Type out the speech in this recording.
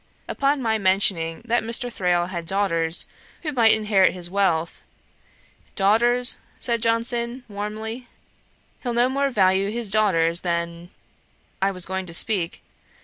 Upon my mentioning that Mr. Thrale had daughters, who might inherit his wealth; 'Daughters, (said Johnson, warmly,) he'll no more value his daughters than 'I was going to speak.